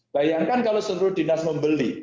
bayangkan kalau seluruh dinas membeli